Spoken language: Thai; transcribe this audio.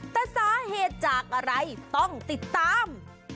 แต่สาเหตุจากอะไรต้องติดตาม